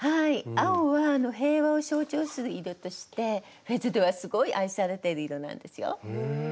青は平和を象徴する色としてフェズではすごい愛されてる色なんですよ。へえ。